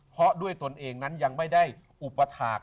เพราะด้วยตนเองนั้นยังไม่ได้อุปถาค